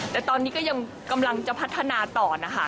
แต่ตอนนี้ก็ยังกำลังจะพัฒนาต่อนะคะ